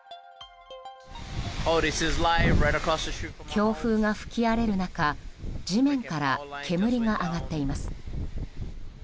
強風が吹き荒れる中地面から煙が上がっています。